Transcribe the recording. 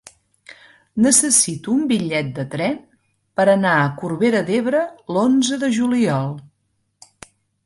Necessito un bitllet de tren per anar a Corbera d'Ebre l'onze de juliol.